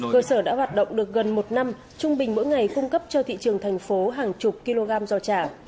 cơ sở đã hoạt động được gần một năm trung bình mỗi ngày cung cấp cho thị trường thành phố hàng chục kg giò chả